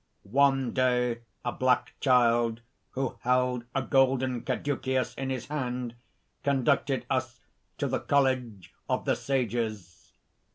"One day a black child, who held a golden caduceus in his hand, conducted us to the College of the Sages.